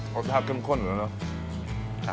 จากในชามเลยนะ